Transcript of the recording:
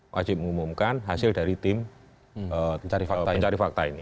wajib mengumumkan hasil dari tim pencari fakta ini